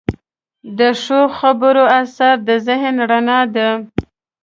د ښو خبرو اثر د ذهن رڼا ده.